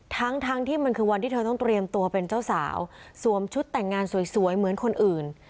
ทั้งทั้งที่มันคือวันที่เธอต้องเตรียมตัวเป็นเจ้าสาวสวมชุดแต่งงานสวยเหมือนคนอื่น